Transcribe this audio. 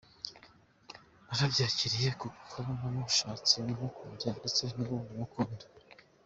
Narabyakiriye kuko namushatse mukunze ndetse nubu ndamukunda.